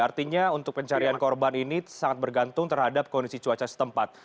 artinya untuk pencarian korban ini sangat bergantung terhadap kondisi cuaca setempat